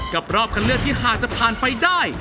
กับอาบรอบคำเลือดที่น่าจะผ่านไปได้